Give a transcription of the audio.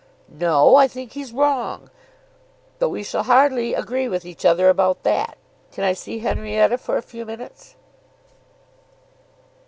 "No; I think he's wrong. But we shall hardly agree with each other about that. Can I see Henrietta for a few minutes?"